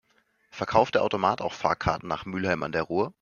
Verkauft der Automat auch Fahrkarten nach Mülheim an der Ruhr?